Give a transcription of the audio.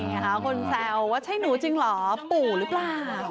คนแซวว่าใช่หนูจริงเหรอปู่หรือเปล่า